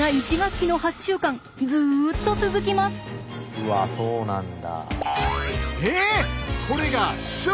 うわそうなんだ。